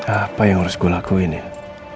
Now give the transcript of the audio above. apa yang harus gue lakuin ya